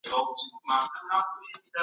په سره غرمه کې هغه په مطالعې بوخت و.